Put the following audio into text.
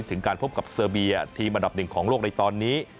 ถึงการพบกับเซอร์เบียทีมอันดับหนึ่งของโลกในตอนนี้